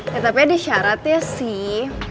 ya tapi ada syaratnya sih